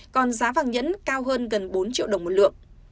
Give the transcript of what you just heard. còn giá vàng nhẫn cao hơn gần bốn triệu đồng một lượng